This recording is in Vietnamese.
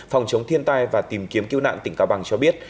phòng chống thiên tai và tìm kiếm cứu nạn tỉnh cao bằng cho biết